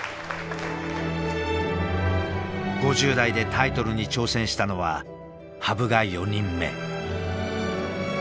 ５０代でタイトルに挑戦したのは羽生が４人目。